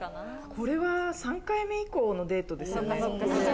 これは３回目以降のデートですね。